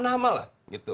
tinggal nama lah